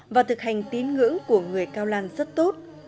và thực hành tín ngưỡng của người cao lan rất tốt